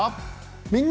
「みんな！